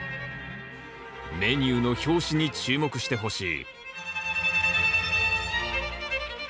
メニューの表紙に注目してほしい。